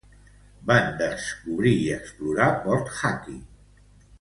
Van descobrir i explorar Port Hacking.